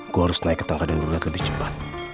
gue harus naik ke tangga dan urut lebih cepat